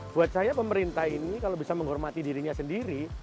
buat saya pemerintah ini kalau bisa menghormati dirinya sendiri